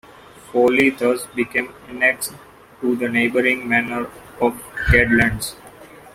Fawley thus became annexed to the neighbouring manor of Cadlands.